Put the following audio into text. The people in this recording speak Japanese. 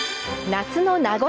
夏の名残